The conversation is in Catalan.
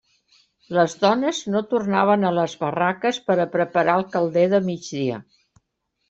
Les dones no tornaven a les barraques per a preparar el calder de migdia.